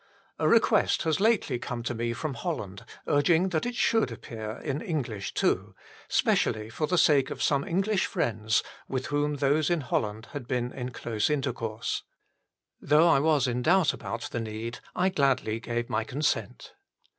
A request has lately corne to me from Holland urging that it should appear in English too, specially for the sake of some English friends with whom those in Holland had been in close intercourse. Though I was in doubt about the need, I gladly gave my consent.